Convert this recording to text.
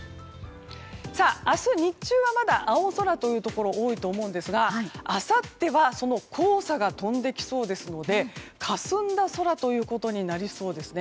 明日日中はまだ青空というところが多いと思うんですがあさっては黄砂が飛んできそうですのでかすんだ空ということになりそうです。